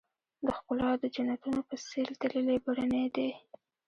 د ښــــــــکلا د جنــــــتونو په ســـــــېل تللـــــــی برنی دی